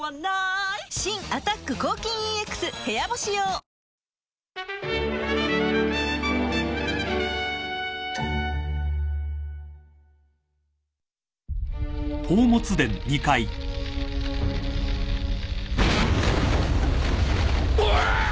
新「アタック抗菌ＥＸ部屋干し用」うわああ！